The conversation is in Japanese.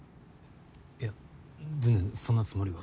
いや全然そんなつもりは。